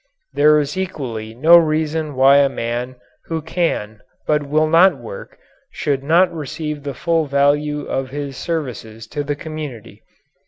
There is equally no reason why a man who can but will not work should not receive the full value of his services to the community.